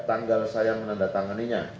tanggal saya menandatanganinya